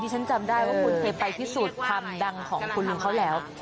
ดิฉันจำได้ว่าคุณเคยไปที่สุดทำดังของคุณลุงเขาแล้ว